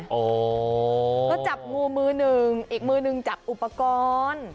ก็จับงูมือหนึ่งอีกมือหนึ่งจับอุปกรณ์